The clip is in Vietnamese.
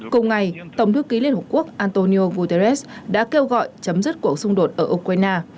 cùng ngày tổng thư ký liên hợp quốc antonio guterres đã kêu gọi chấm dứt cuộc xung đột ở ukraine